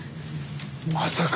まさか！